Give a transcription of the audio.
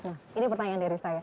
nah ini pertanyaan dari saya